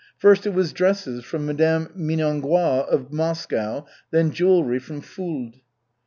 First it was dresses from Mme. Minangois of Moscow, then jewelry from Fuld.